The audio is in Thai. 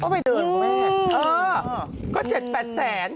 ก็ไปเดินครับแม่